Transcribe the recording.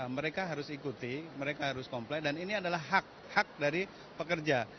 mereka harus ikuti mereka harus komplain dan ini adalah hak hak dari pekerja